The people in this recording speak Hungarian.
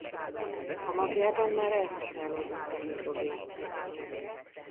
A magjában már elhasználódott a hidrogén.